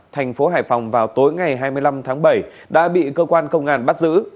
thành phố hải phòng vào tối ngày hai mươi năm tháng bảy đã bị cơ quan công an bắt giữ